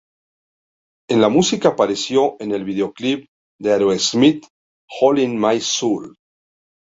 En la música, apareció en el videoclip de Aerosmith "Hole In My Soul".